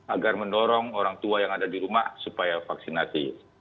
agar mendorong orang tua yang ada di rumah supaya vaksinasi